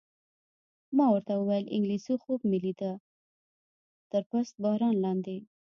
ما ورته وویل: انګلېسي خوب مې لیده، تر پست باران لاندې.